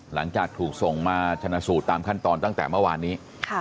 หลังจากถูกส่งมาชนะสูตรตามขั้นตอนตั้งแต่เมื่อวานนี้